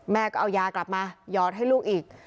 แม่ก็เอายากลับมาหยอดให้ลูกอีก